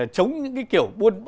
chống những cái kiểu